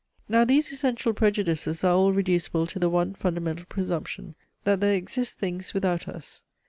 Now these essential prejudices are all reducible to the one fundamental presumption, THAT THERE EXIST THINGS WITHOUT US.